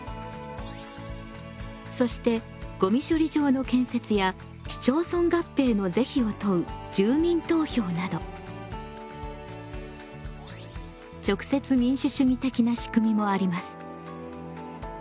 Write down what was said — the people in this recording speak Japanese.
そしてごみ処理場の建設や市町村合併の是非を問う住民投票など直接民主主義的なしくみもあります。